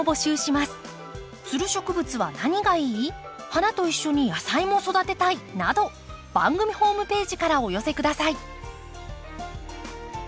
花と一緒に野菜も育てたいなど番組ホームページからお寄せ下さい。